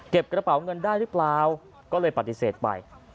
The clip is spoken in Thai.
กระเป๋าเงินได้หรือเปล่าก็เลยปฏิเสธไป